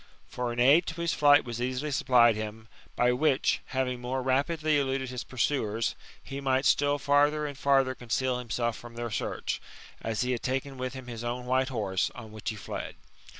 For an aid to his flight was easily supplied him, by which, having more rapidly eluded his pursuers, he might still farther and farther conceal himself from their search ; as he had taken with him his own white horse, on which he fled.